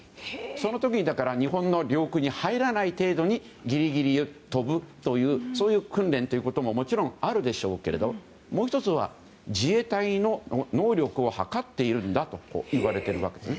その時に日本の領空に入らない程度にギリギリを飛ぶという訓練ということももちろんあるでしょうけどもう１つは自衛隊の能力を測っているんだといわれているわけです。